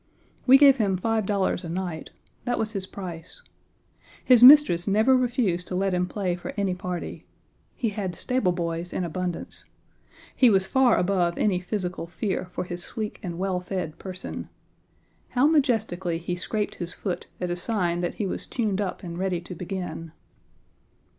We gave him five dollars a night; that was his price. His mistress never refused to let him play for any party. He had stable boys in abundance. He was far above any physical fear for his sleek and well fed person. How majestically he scraped his foot as a sign that he was tuned up and ready to begin!